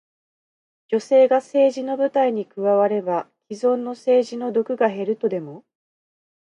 女性が政治の舞台に加われば、既存の政治の毒が減るとでも？